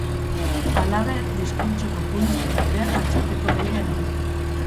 Halaber, diskurtso populisten aurrean altxatzeko deia egin du.